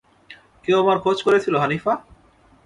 কেউ আমার খোঁজ করেছিল, হানিফা?